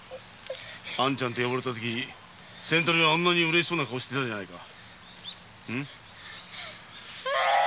「あんちゃん」と呼ばれたとき仙太郎はあんなにうれしそうな顔をしていたじゃないか。